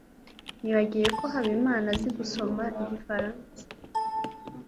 Nibagiwe ko Habimana azi gusoma igifaransa.